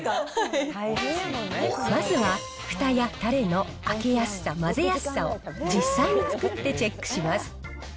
まずは、ふたやたれの開けやすさ、混ぜやすさを、実際に作ってチェックします。